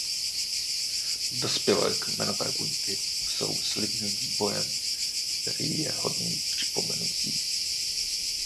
Dospělé kmenové buňky jsou slibným vývojem, který je hodný připomenutí.